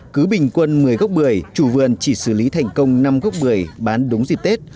cứ bình quân một mươi gốc bưởi chủ vườn chỉ xử lý thành công năm gốc bưởi bán đúng dịp tết